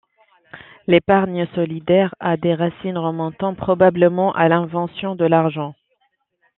L’épargne solidaire a des racines remontant probablement à l'invention de l'argent.